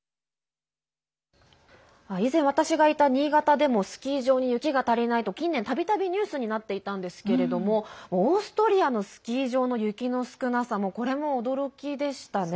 以前、私がいた新潟でもスキー場に雪が足りないと近年、たびたびニュースになっていたんですけれどもオーストリアのスキー場の雪の少なさ、これも驚きでしたね。